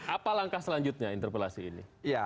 apa langkah selanjutnya interpelasi ini